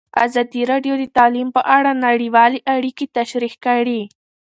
ازادي راډیو د تعلیم په اړه نړیوالې اړیکې تشریح کړي.